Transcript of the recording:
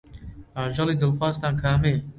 ئاژەڵی دڵخوازتان کامەیە؟